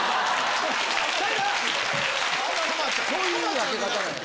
そういう分け方なんや。